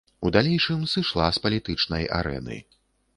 У далейшым сышла з палітычнай арэны.